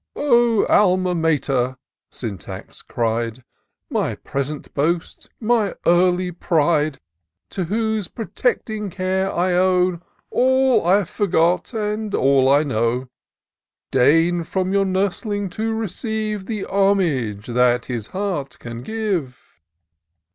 O, Alma Mater !" Syntax cried, My present boast, my early pride ; I 48 TOUR OF DOCTOR SYNTAX To whose protecting care I owe All I've forgot, and all I know : Deign from your nursling to receive The homage that his heart can give